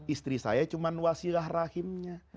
istri saya cuma wasilah rahimnya